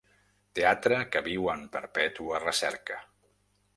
Teatre que viu en perpètua recerca.